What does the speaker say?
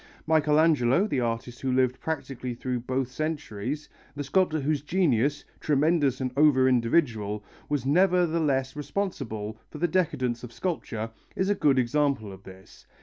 Michelangelo, the artist who lived practically through both centuries, the sculptor whose genius, tremendous and over individual, was nevertheless responsible for the decadence of sculpture, is a good example of this.